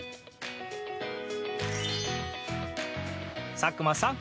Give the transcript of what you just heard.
佐久間さん